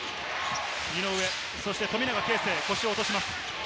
井上、富永啓生、腰を落とします。